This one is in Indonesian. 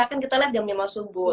kan kita lihat jam lima subuh